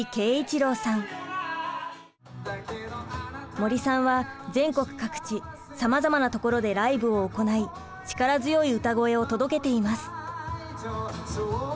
森さんは全国各地さまざまなところでライブを行い力強い歌声を届けています。